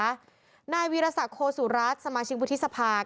หน้าวิทยาศาสตร์โคสุรัสตร์สมาชิกวิทยาศาสตร์